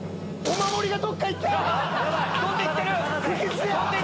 お守りどっか行った！